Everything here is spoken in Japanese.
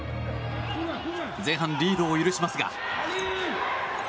前半リードを許しますが。